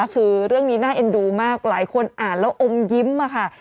คือเรื่องนี้น่าเอ็นดูมากหลายคนอ่านแล้วอมยิ้มค่ะ